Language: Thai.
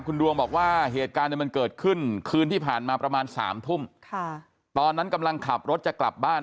คุณดวงบอกว่าเหตุการณ์มันเกิดขึ้นคืนที่ผ่านมาประมาณ๓ทุ่มตอนนั้นกำลังขับรถจะกลับบ้าน